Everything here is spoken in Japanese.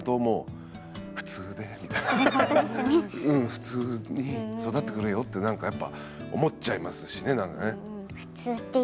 普通に育ってくれよって何かやっぱ思っちゃいますしね何かね。